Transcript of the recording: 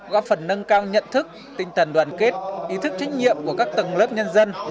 góp phần nâng cao nhận thức tinh thần đoàn kết ý thức trách nhiệm của các tầng lớp nhân dân